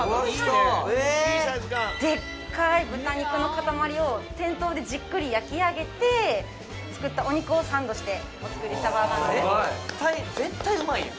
はいでっかい豚肉の塊を店頭でじっくり焼き上げて作ったお肉をサンドしてお作りしたバーガーなので絶対絶対うまいやん